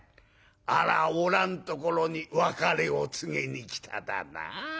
あらあおらんところに別れを告げに来ただな。